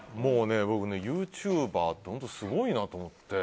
僕ね、ユーチューバーって本当にすごいなと思って。